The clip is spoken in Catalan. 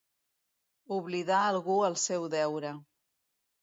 Oblidar algú el seu deure.